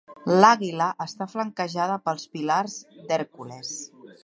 L'àguila està flanquejada pels pilars d'Hèrcules.